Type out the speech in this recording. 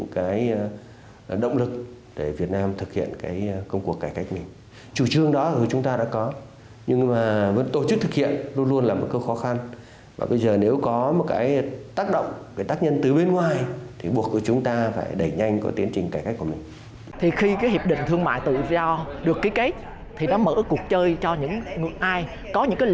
hiệp định này cũng trở thành động lực thúc đẩy việt nam đẩy mạnh hơn nữa công cuộc thực hiện cải cách thể chế cải thiện môi trường kinh doanh